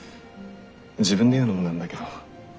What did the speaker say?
自分で言うのもなんだけど。